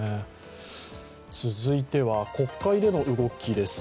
続いては国会での動きです。